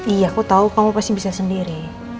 iya aku tahu kamu pasti bisa sendiri